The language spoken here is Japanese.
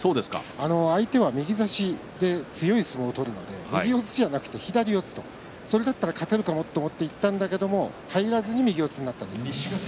相手は右差しで強い相撲を取るので右四つではなく左四つそれだったら勝てるかもと思っていったけど入らずに右四つになったと。